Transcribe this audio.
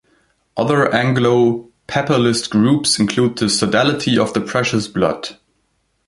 Other Anglo-Papalist groups include the Sodality of the Precious Blood.